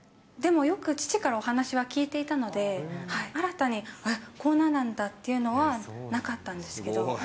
でも、よく父からお話は聞いていたので、新たに、あっ、こんななんだっていうのはなかったんですけど。